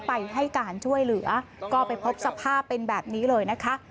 ไปให้การช่วยเหลือก็ไปพบสภาพเป็นแบบนี้เลยนะคะ